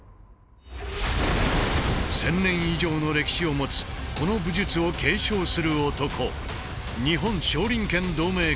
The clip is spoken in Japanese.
１，０００年以上の歴史を持つこの武術を継承する男日本少林拳同盟会代表